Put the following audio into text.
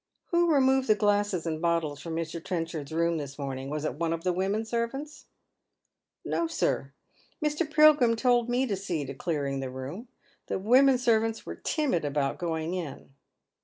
" Who removed the glasses and bottles from Mr. Trenchard's room this morning ? Was it one of the women servants ?" "No, sir. Mr. Pilgrim told me to see to clearing the room. The women servants were timid about going in."